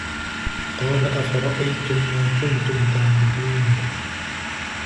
قال أفرأيتم ما كنتم تعبدون